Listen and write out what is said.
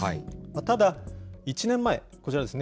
ただ、１年前、こちらですね。